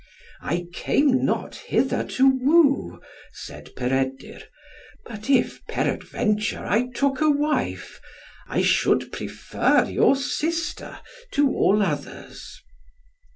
"I came not hither to woo," said Peredur, "but if peradventure I took a wife, I should prefer your sister to all others."